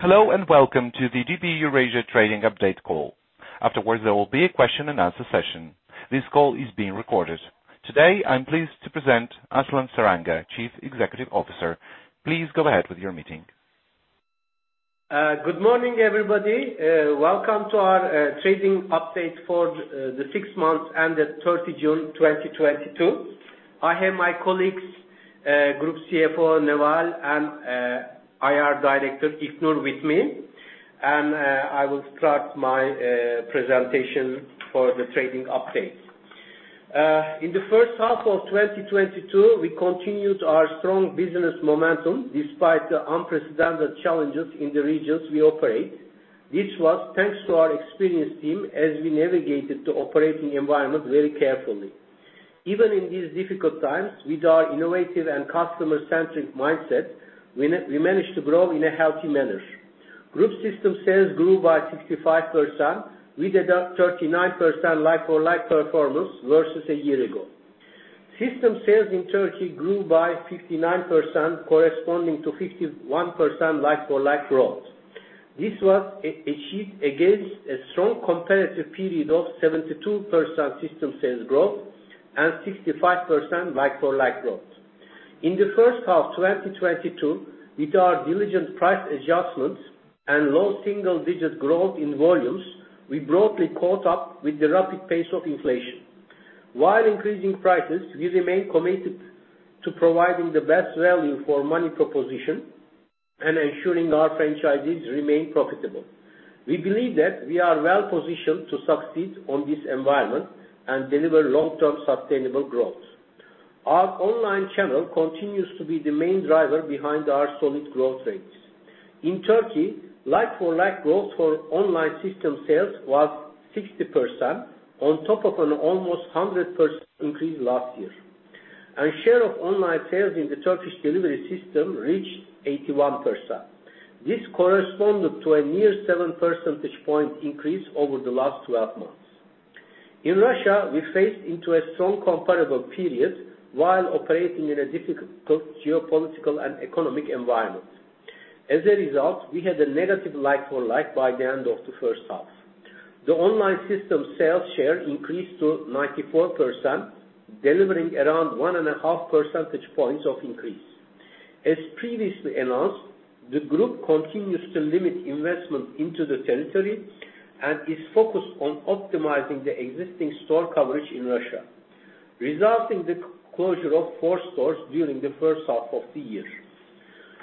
Hello and welcome to the DP Eurasia Trading Update call. Afterwards, there will be a question and answer session. This call is being recorded. Today, I'm pleased to present Aslan Saranga, Chief Executive Officer. Please go ahead with your meeting. Good morning, everybody. Welcome to our trading update for the six months ended 30 June 2022. I have my colleagues, Group CFO Neval and IR Director İlknur, with me. I will start my presentation for the trading update. In the first half of 2022, we continued our strong business momentum despite the unprecedented challenges in the regions we operate. This was thanks to our experienced team as we navigated the operating environment very carefully. Even in these difficult times, with our innovative and customer-centric mindset, we managed to grow in a healthy manner. Group system sales grew by 65%. We delivered 39% like-for-like performance versus a year ago. System sales in Turkey grew by 59% corresponding to 51% like-for-like growth. This was achieved against a strong competitive period of 72% system sales growth and 65% like-for-like growth. In the first half 2022, with our diligent price adjustments and low single-digit growth in volumes, we broadly caught up with the rapid pace of inflation. While increasing prices, we remain committed to providing the best value for money proposition and ensuring our franchises remain profitable. We believe that we are well-positioned to succeed on this environment and deliver long-term sustainable growth. Our online channel continues to be the main driver behind our solid growth rates. In Turkey, like-for-like growth for online system sales was 60% on top of an almost 100% increase last year. Our share of online sales in the Turkish delivery system reached 81%. This corresponded to a near 7 percentage point increase over the last 12 months. In Russia, we faced a strong comparable period while operating in a difficult geopolitical and economic environment. As a result, we had a negative like-for-like by the end of the first half. The online system sales share increased to 94%, delivering around 1.5 percentage points of increase. As previously announced, the group continues to limit investment into the territory and is focused on optimizing the existing store coverage in Russia, resulting in the closure of four stores during the first half of the year.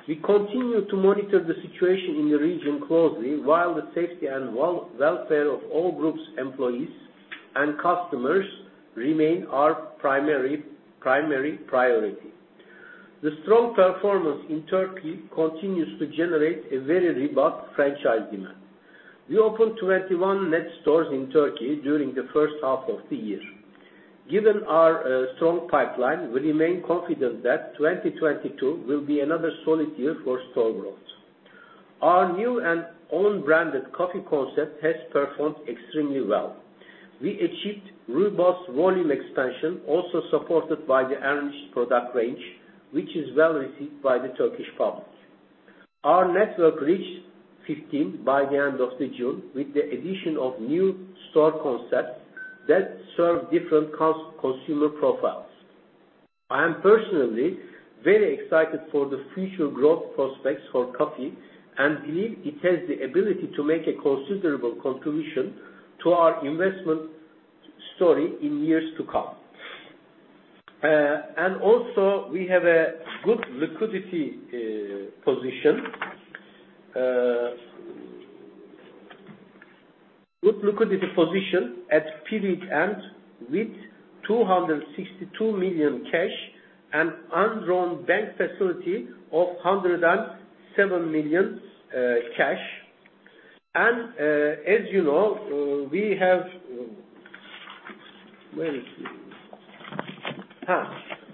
We continue to monitor the situation in the region closely, while the safety and welfare of all groups, employees, and customers remain our primary priority. The strong performance in Turkey continues to generate a very robust franchise demand. We opened 21 net stores in Turkey during the first half of the year. Given our strong pipeline, we remain confident that 2022 will be another solid year for store growth. Our new and own branded coffee concept has performed extremely well. We achieved robust volume expansion also supported by the enhanced product range, which is well received by the Turkish public. Our network reached 15 by the end of June with the addition of new store concepts that serve different consumer profiles. I am personally very excited for the future growth prospects for coffee and believe it has the ability to make a considerable contribution to our investment story in years to come. We have a good liquidity position at period end with 262 million cash and undrawn bank facility of 107 million cash.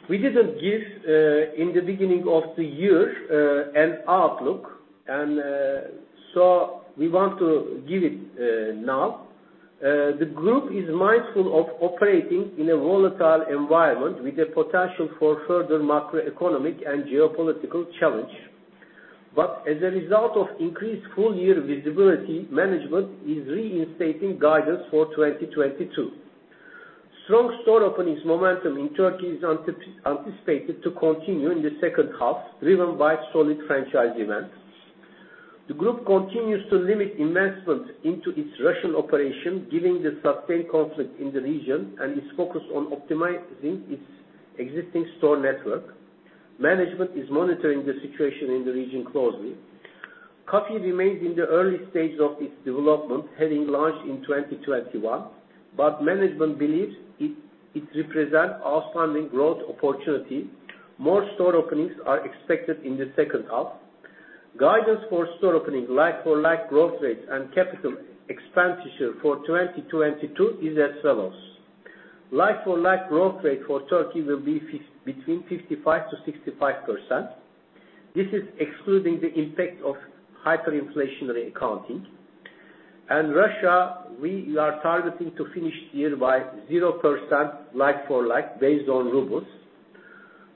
We didn't give in the beginning of the year an outlook and so we want to give it now. The group is mindful of operating in a volatile environment with the potential for further macroeconomic and geopolitical challenge. As a result of increased full year visibility, management is reinstating guidance for 2022. Strong store openings momentum in Turkey is anticipated to continue in the second half, driven by solid franchise demand. The group continues to limit investments into its Russian operation, given the sustained conflict in the region and is focused on optimizing its existing store network. Management is monitoring the situation in the region closely. COFFY remains in the early stages of its development, having launched in 2021, but management believes it represents outstanding growth opportunity. More store openings are expected in the second half. Guidance for store opening, like-for-like growth rates, and capital expenditure for 2022 is as follows. Like-for-like growth rate for Turkey will be between 55%-65%. This is excluding the impact of hyperinflationary accounting. Russia, we are targeting to finish the year by 0% like-for-like based on rubles.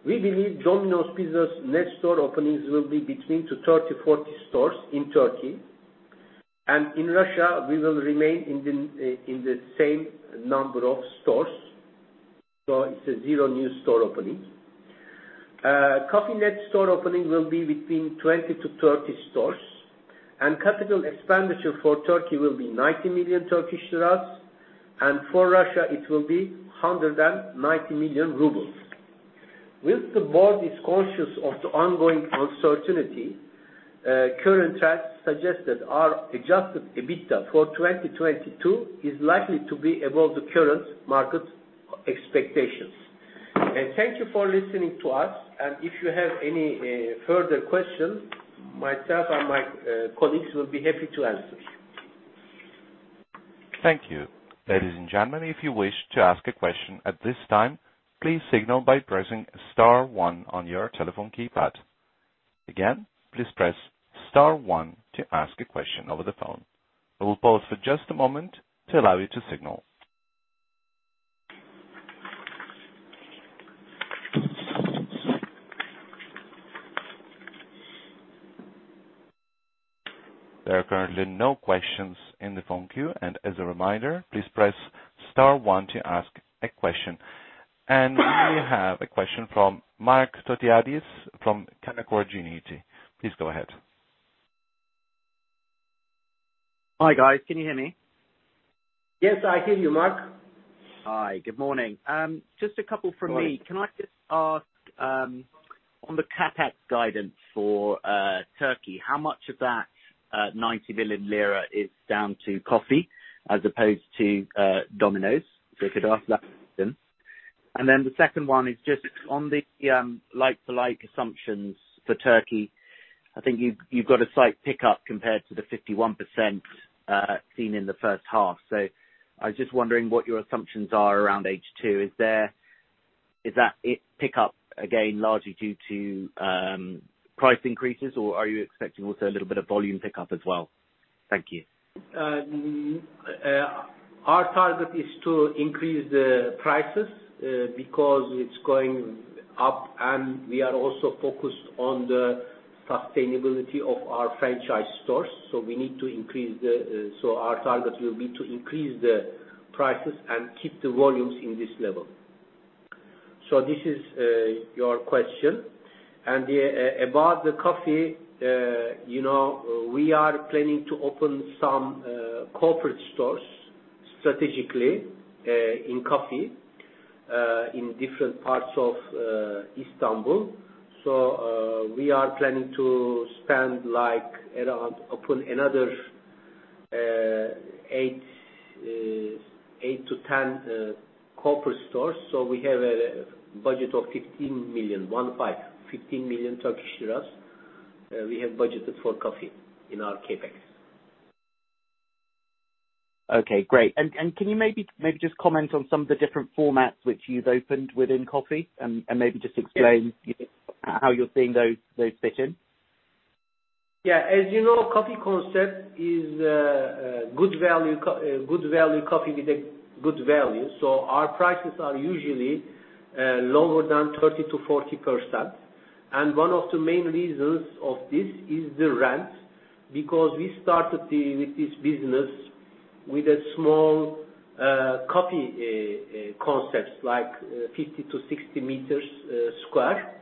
We believe Domino's Pizza's net store openings will be between 30-40 stores in Turkey. In Russia, we will remain in the same number of stores. It's a zero new store opening. COFFY net store opening will be between 20-30 stores. Capital expenditure for Turkey will be TRY 90 million, and for Russia it will be 190 million rubles. With the board is cautious of the ongoing uncertainty, current trends suggest that our adjusted EBITDA for 2022 is likely to be above the current market expectations. Thank you for listening to us. If you have any further questions, myself and my colleagues will be happy to answer. Thank you. Ladies and gentlemen, if you wish to ask a question at this time, please signal by pressing star one on your telephone keypad. Again, please press star one to ask a question over the phone. I will pause for just a moment to allow you to signal. There are currently no questions in the phone queue. As a reminder, please press star one to ask a question. We have a question from Mark Photiades from Canaccord Genuity. Please go ahead. Hi, guys. Can you hear me? Yes, I hear you, Mark. Hi, good morning. Just a couple from me. Go ahead. Can I just ask on the CapEx guidance for Turkey, how much of that 90 million lira is down to COFFY as opposed to Domino's? If I could ask that question. Then the second one is just on the like-for-like assumptions for Turkey. I think you've got a slight pickup compared to the 51% seen in the first half. I was just wondering what your assumptions are around H2. Is that the pickup again largely due to price increases, or are you expecting also a little bit of volume pickup as well? Thank you. Our target is to increase the prices because it's going up, and we are also focused on the sustainability of our franchise stores. Our target will be to increase the prices and keep the volumes in this level. This is your question. Yeah, about the COFFY, you know, we are planning to open some corporate stores strategically in COFFY in different parts of Istanbul. We are planning to spend like around open another eight-10 corporate stores. We have a budget of 15 million we have budgeted for COFFY in our CapEx. Okay, great. Can you maybe just comment on some of the different formats which you've opened within COFFY and maybe just explain how you're seeing those fit in. Yeah. As you know, COFFY concept is good value coffee with a good value. Our prices are usually lower than 30%-40%. One of the main reasons of this is the rent, because we started with this business with a small coffee concepts like 50-60 meters square.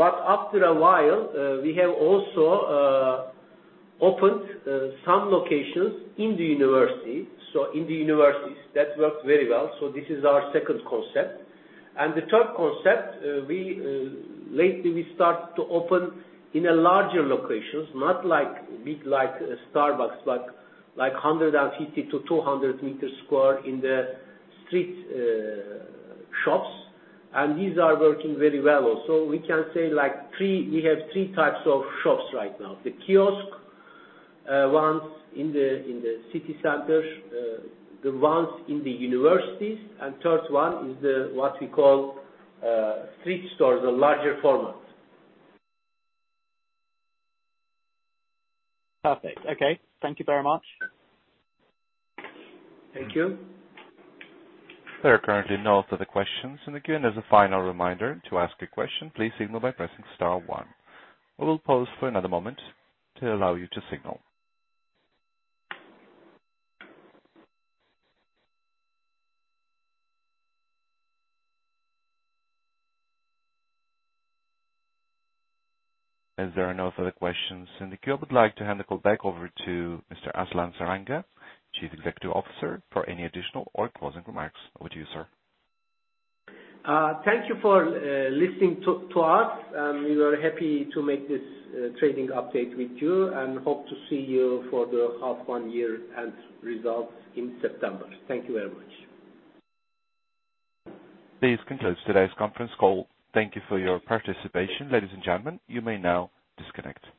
After a while, we have also opened some locations in the university. In the universities, that worked very well. This is our second concept. The third concept, we lately start to open in a larger locations, not like big like Starbucks, but like 150-200 meters square in the street shops. These are working very well. We can say like we have three types of shops right now. The kiosk ones in the city center, the ones in the universities, and third one is what we call street stores, the larger formats. Perfect. Okay. Thank you very much. Thank you. There are currently no further questions. Again, as a final reminder to ask a question, please signal by pressing star one. We will pause for another moment to allow you to signal. As there are no further questions in the queue, I would like to hand the call back over to Mr. Aslan Saranga, Chief Executive Officer, for any additional or closing remarks. Over to you, sir. Thank you for listening to us. We are happy to make this trading update with you and hope to see you for the half-year and results in September. Thank you very much. This concludes today's conference call. Thank you for your participation. Ladies and gentlemen, you may now disconnect. Great.